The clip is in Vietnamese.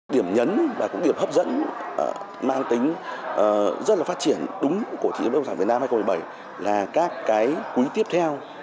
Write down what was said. điểm nhấn và cũng điểm hấp dẫn mang tính rất là phát triển đúng của thị trường bất động sản việt nam hai nghìn một mươi bảy là các cái quý tiếp theo